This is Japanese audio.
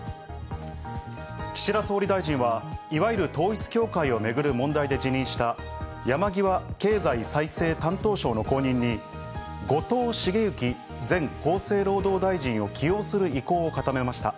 岸田総理大臣は、いわゆる統一教会をめぐる問題で辞任した山際経済再生担当相の後任に後藤茂之前厚生労働大臣を起用する意向を固めました。